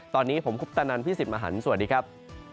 ตอนนี้ผมคุปตะนันพี่สิทธิ์มหันฯสวัสดีครับ